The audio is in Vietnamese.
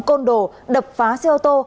côn đồ đập phá xe ô tô